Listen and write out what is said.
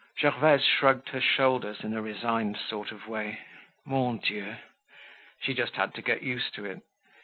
Gervaise shrugged her shoulders in a resigned sort of way. Mon Dieu! She just had to get used to it.